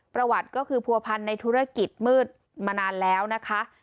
ประวัติก็คือผัวพันในธุรกิจมืดมานานแล้วนะคะ